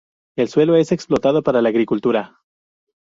El suelo es explotado para la agricultura.